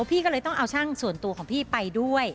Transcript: พี่ก็เลยต้องเอาช่างส่วนตัวของพี่ไปด้วย